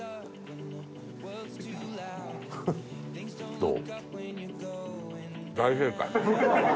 どう？